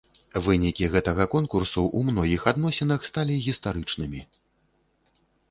Вынікі гэтага конкурсу ў многіх адносінах сталі гістарычнымі.